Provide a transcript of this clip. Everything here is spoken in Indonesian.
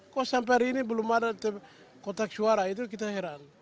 kok sampai hari ini belum ada kotak suara itu kita heran